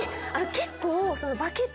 結構。